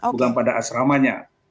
bukan pada asramanya